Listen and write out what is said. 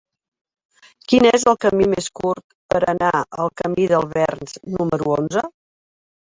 Quin és el camí més curt per anar al camí dels Verns número onze?